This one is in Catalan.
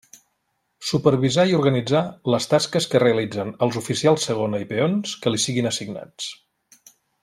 Supervisar i organitzar les tasques que realitzen els oficials segona i peons que li siguin assignats.